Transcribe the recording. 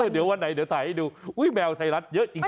เดี๋ยววันไหนเดี๋ยวถ่ายให้ดูแมวไทยรัฐเยอะจริง